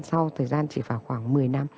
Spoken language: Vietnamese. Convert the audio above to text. sau thời gian chỉ vào khoảng một mươi năm